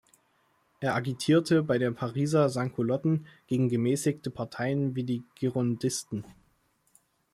Er agitierte bei den Pariser Sansculotten gegen gemäßigte Parteien wie die Girondisten.